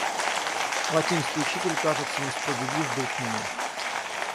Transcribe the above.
Латинский учитель, кажется, несправедлив был к нему.